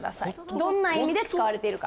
どんな意味で使われているか。